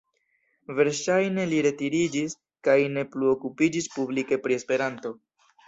Verŝajne li retiriĝis kaj ne plu okupiĝis publike pri Esperanto.